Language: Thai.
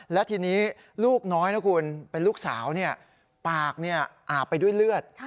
และทีนี้ลูกน้อยนะคุณเป็นลูกสาวปากอาบไปด้วยเลือด